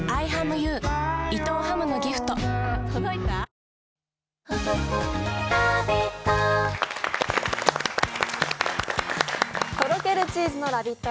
新発売とろけるチーズのラヴィット！